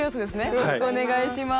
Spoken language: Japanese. よろしくお願いします。